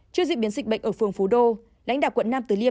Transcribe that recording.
trước diễn biến dịch bệnh ở phường phú đô đánh đạp quận năm từ liêm